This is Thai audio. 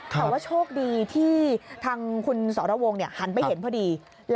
แต่ว่าโชคดีที่ทางคุณสรวงหันไปเห็นพอดี